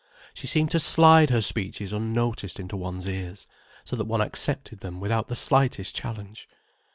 She seemed to slide her speeches unnoticed into one's ears, so that one accepted them without the slightest challenge.